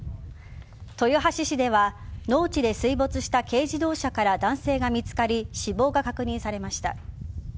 豊橋市では農地で水没した軽自動車から男性が見つかり死亡が確認されました。